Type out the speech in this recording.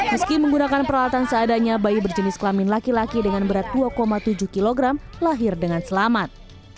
meski menggunakan peralatan seadanya bayi berjenis kelamin laki laki dengan berat dua tujuh kg lahir dengan selamat